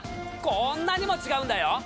こんなにも違うんだよ！